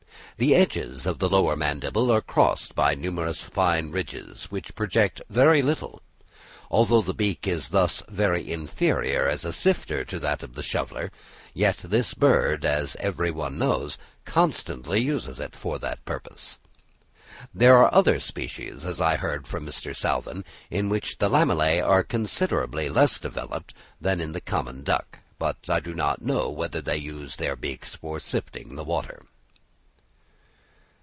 The edges of the lower mandible are crossed by numerous fine ridges, which project very little. Although the beak is thus very inferior as a sifter to that of a shoveller, yet this bird, as every one knows, constantly uses it for this purpose. There are other species, as I hear from Mr. Salvin, in which the lamellæ are considerably less developed than in the common duck; but I do not know whether they use their beaks for sifting the water.